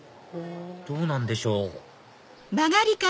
どうなんでしょう？